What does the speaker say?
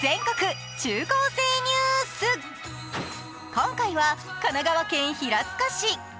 今回は神奈川県平塚市。